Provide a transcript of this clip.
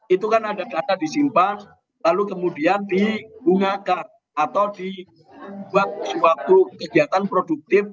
itu kan ada data disimpan lalu kemudian dibungakan atau dibuat suatu kegiatan produktif